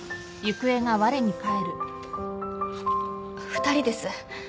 ２人です。